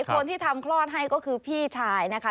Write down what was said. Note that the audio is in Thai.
คนที่ทำคลอดให้ก็คือพี่ชายนะคะ